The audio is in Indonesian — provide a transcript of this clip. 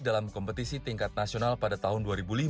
dalam kompetisi tingkat nasional pada tahun dua ribu lima